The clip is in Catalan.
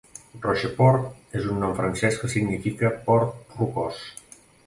Rocheport és un nom francès que significa "port rocós".